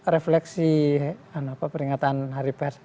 refleksi peringatan hari pers